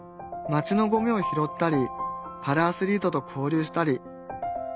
街のゴミを拾ったりパラアスリートと交流したり。